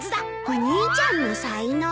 お兄ちゃんの才能？